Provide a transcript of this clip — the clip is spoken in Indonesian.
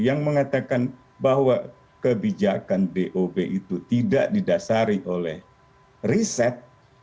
yang mengatakan bahwa kebijakan dob itu tidak didasari oleh riset